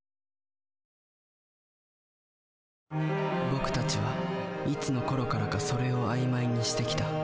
僕たちはいつのころからか「それ」を曖昧にしてきた。